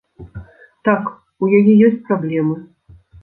Так, у яе ёсць праблемы.